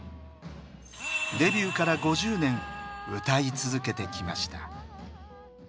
デビューから５０年歌い続けてきました。